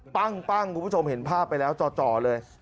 ปั้งคุณผู้ชมเห็นภาพไปแล้วจ่อเลย